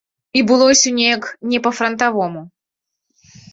І было ўсё неяк не па-франтавому.